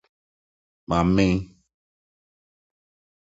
Mamen